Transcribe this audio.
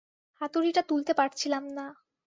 হাতুড়িটা তুলতে পারছিলাম না।